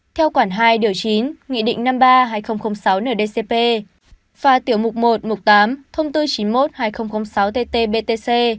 theo quản hai điều chín nghị định năm mươi ba hai nghìn sáu ndcp và tiểu một một tám thông tư chín mươi một hai nghìn sáu tt btc